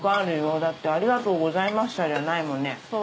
だって「ありがとうございました」じゃないもんね。そう。